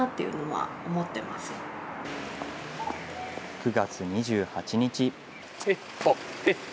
９月２８日。